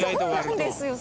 そうなんですよ。